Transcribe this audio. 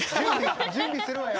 準備するわよ。